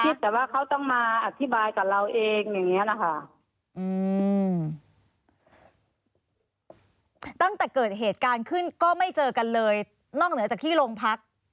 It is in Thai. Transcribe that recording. คิดแต่ว่าเขาต้องมาอธิบายกับเราเองอย่างนี้นะคะ